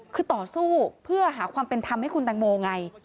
คือต่อสู้เพื่อหาความเป็นธรรมให้คุณแตงโมไง